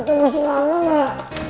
tantang tantang silahkan lah